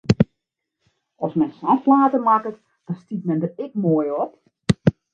As men sa'n flater makket, dan stiet men der ek moai op!